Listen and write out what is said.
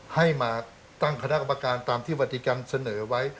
ให้มาตั้งคณะกรรมการตามที่วัติกรรมเสนอไว้